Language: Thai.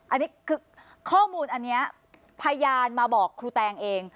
อันนี้คือข้อมูลอันนี้พยานมาบอกครูแตงเอง